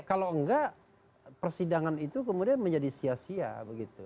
kalau enggak persidangan itu kemudian menjadi sia sia begitu